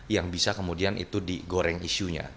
yang bisa kemudian itu digoreng isunya